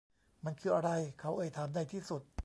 มันคืออะไร เขาเอ่ยถามในที่สุด